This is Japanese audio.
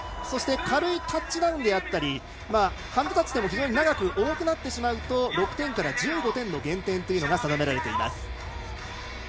軽いタッチダウンであったりハンドタッチでも非常に長く多くなってしまうと６点から１５点の減点というのが定められています。